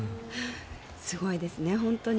すごいですね、本当に。